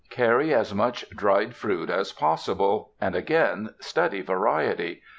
Carry as much dried fruit as possible, and again study variety.